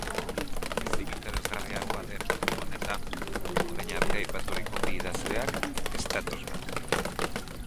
Ezin interesgarriagoa den puntu honetan orain arte aipaturiko bi idazleak ez datoz bat.